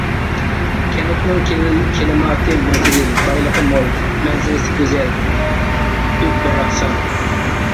كەنتنىڭ كىلىماتى مۆتىدىل، بايلىقى مول، مەنزىرىسى گۈزەل، بۈك-باراقسان.